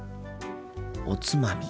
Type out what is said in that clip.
おつまみ。